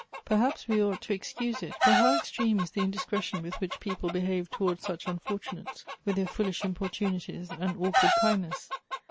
" Perhaps we ought to e.xcuse it, but how extreme is the indiscretion with which people behave towards such unfortunates, with their foolish importunities and awk ward kindness